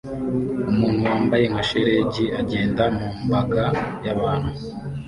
Umuntu wambaye nka shelegi agenda mu mbaga y'abantu